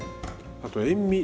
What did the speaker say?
あと塩み。